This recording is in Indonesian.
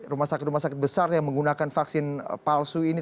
rumah sakit rumah sakit besar yang menggunakan vaksin palsu ini